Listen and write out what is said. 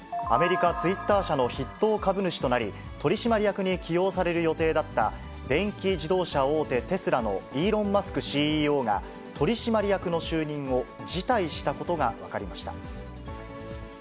アメリカ、ツイッター社の筆頭株主となり、取締役に起用される予定だった、電気自動車大手テスラのイーロン・マスクＣＥＯが、取締役の就任を辞退したことが分かりました。